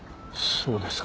そうですか。